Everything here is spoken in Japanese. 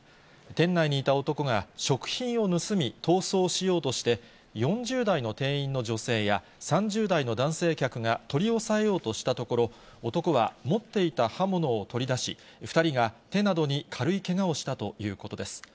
店内にいた男が食品を盗み、逃走しようとして、４０代の店員の女性や、３０代の男性客が取り押さえようとしたところ、男は持っていた刃物を取り出し、２人が手などに軽いけがをしたということです。